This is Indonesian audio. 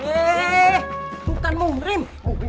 eh bukan murnim